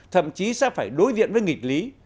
thậm chí sẽ phải đối diện với nghịch lý